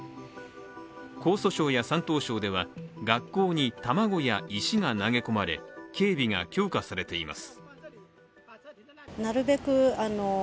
江蘇省や山東省では学校に卵や石が投げ込まれ警備が強化されています。